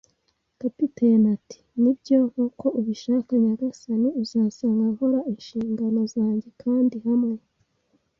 Kapiteni ati: "Nibyo nkuko ubishaka, nyagasani". “Uzasanga nkora inshingano zanjye.” Kandi hamwe